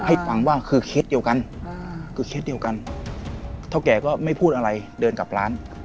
ให้ฟังว่าคือเคสเดียวกันคือเคสเดียวกันเท่าแก่ก็ไม่พูดอะไรเดินกลับร้าน